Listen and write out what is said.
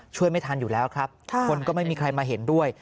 ช่วยไม่ทันอยู่แล้วครับคนก็ไม่มีใครมาเห็นด้วย